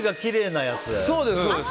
そうです。